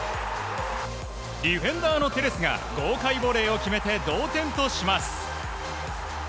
ディフェンダーのテレスが豪快ボレーを決めて同点とします。